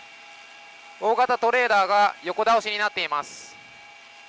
大型トレーラーが横倒しになっています。